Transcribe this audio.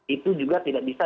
itu juga tidak bisa